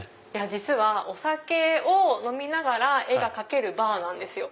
実はお酒を飲みながら絵が描けるバーなんですよ。